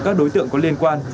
các đối tượng có liên quan